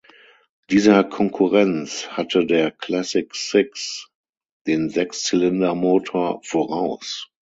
Dieser Konkurrenz hatte der Classic Six den Sechszylindermotor voraus.